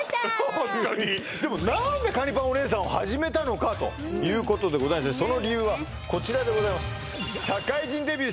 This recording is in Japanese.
ホントにでも何でかにぱんお姉さんを始めたのか？ということでございましてその理由はこちらでございます